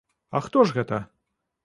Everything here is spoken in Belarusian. А хто ж гэта?